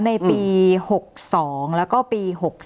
ในปี๖๒แล้วก็ปี๖๒